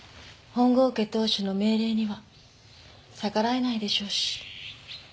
本郷家当主の命令には逆らえないでしょうし。